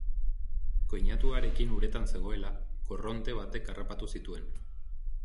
Koinatuarekin uretan zegoela, korronte batek harrapatu zituen.